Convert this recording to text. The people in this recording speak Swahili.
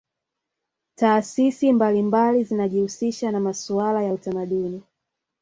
taasisi mbalimbali zinajihusisha na masuala ya utamadini